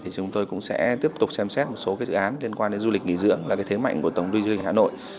chúng tôi cũng sẽ tiếp tục xem xét một số dự án liên quan đến du lịch nghỉ dưỡng là thế mạnh của tổng đưa du lịch hà nội